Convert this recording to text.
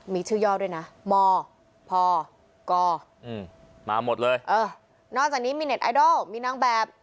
มีชื่อย่อด้วยนะมพกมาหมดเลยเออนอกจากนี้มีเน็ตไอดอลมีนางแบบ